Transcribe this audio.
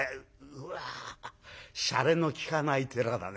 うわしゃれのきかない寺だね